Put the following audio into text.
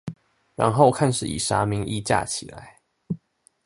然後看是以啥名義架起來